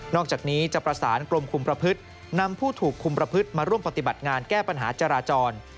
อกจากนี้จะประสานกรมคุมประพฤตินำผู้ถูกคุมประพฤติมาร่วมปฏิบัติงานแก้ปัญหาจราจร